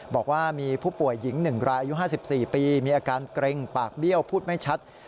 บอกว่ามีผู้ป่วยหญิง๑รายอายุ๕๔ปีมีอาการเกร็งปากเบี้ยวพูดไม่ชัด